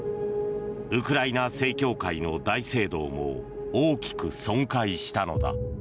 ウクライナ正教会の大聖堂も大きく損壊したのだ。